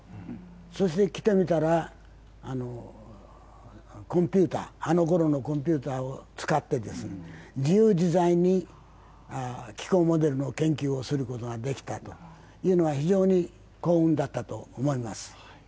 そして来てみたら、あのころのコンピュータを使って自由自在に気候モデルの研究をすることができたというのは非常に幸運だったと思います。